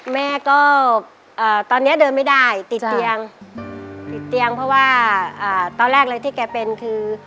แม่ก็ตอนนี้เดินไม่ได้ติดเตียงติดเตียงเพราะว่าตอนแรกเลยที่แกเป็นคือ